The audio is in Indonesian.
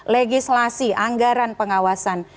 legislasi anggaran pengawasan